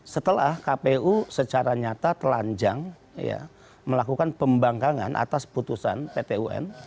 setelah kpu secara nyata telanjang melakukan pembangkangan atas putusan pt un